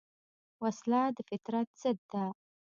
وسله د فطرت ضد ده